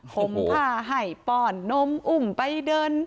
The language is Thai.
ผมผ้าให้ป้อนนมอุ้มไปเดิน